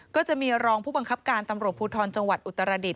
ก็จะมีรองผู้บังคับการตำรวจภูทรจังหวัดอุตรดิษ